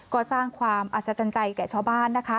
ก็สร้างความอัศจรรย์ใจแก่ชาวบ้านนะคะ